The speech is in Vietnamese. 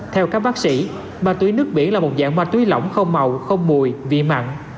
theo các bác sĩ ma túy nước biển là một dạng ma túy lỏng không màu không mùi vị mặn